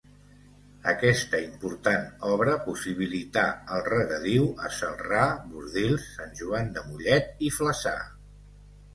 Aquesta important obra possibilità el regadiu a Celrà, Bordils, Sant Joan de Mollet i Flaçà.